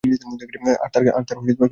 তার আর কিছু করার সুযোগ নেই!